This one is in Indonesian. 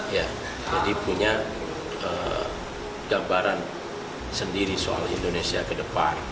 jadi punya gambaran sendiri soal indonesia ke depan